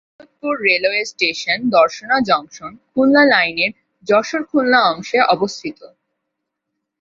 Daulatpur railway station Darshana জংশন-খুলনা লাইনের যশোর-খুলনা অংশে অবস্থিত।